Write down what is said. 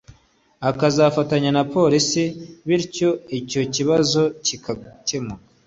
akazafatanya na Polisi, bityo icyo kibazo kigakemuka